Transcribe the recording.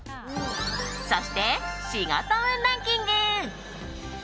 そして、仕事運ランキング。